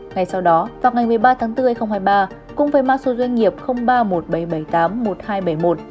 ngay sau đó vào ngày một mươi ba tháng bốn hai nghìn hai mươi ba cùng với mã số doanh nghiệp ba một bảy bảy tám một hai bảy một